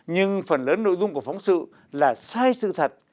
nhưng phần lớn nội dung của phóng sự là sai sự thật